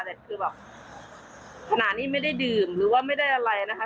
แต่คือแบบขณะนี้ไม่ได้ดื่มหรือว่าไม่ได้อะไรนะคะ